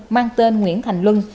mang tên nguyễn thành luân